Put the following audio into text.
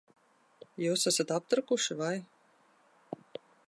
Jūs esat aptrakuši, vai?